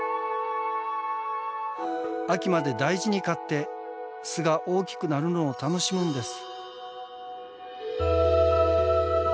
秋まで大事に飼って巣が大きくなるのを楽しむんです。